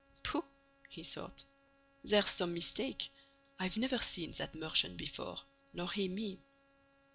"Pooh," he thought, "there's some mistake: I've never seen that merchant before, nor he me."